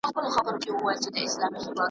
نه محتاجه د بادار نه د انسان یو .